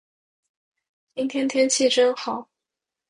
今天天气真好。